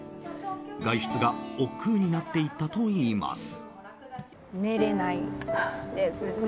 外出が、おっくうになっていったといいます。